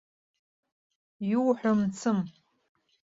Иуҳәо мцым.